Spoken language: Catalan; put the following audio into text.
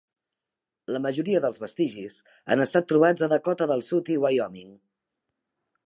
La majoria dels vestigis han estat trobats a Dakota del Sud i Wyoming.